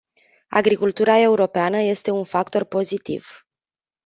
Agricultura europeană este un factor pozitiv.